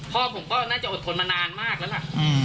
พ่อผมก็น่าจะอดทนมานานมากแล้วล่ะ